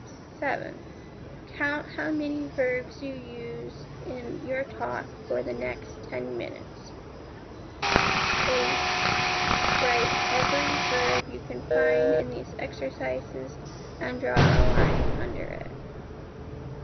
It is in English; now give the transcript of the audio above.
7. Count how many verbs you use in your talk for the next ten minutes. 8. Write every verb you can find in these exercises, and draw a line under it.